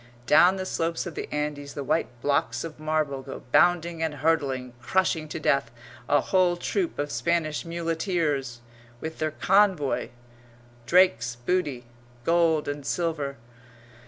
Down the slopes of the Andes the white blocks of marble go bounding and hurtling, crushing to death a whole troop of Spanish muleteers, with their convoy Drake's booty, gold and silver.